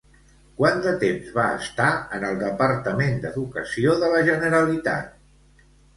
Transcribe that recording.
Quant de temps va estar en el Departament d'Educació de la Generalitat?